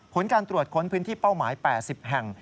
ผลการตรวจค้นพื้นที่เป้าหมาย๘๐แห่ง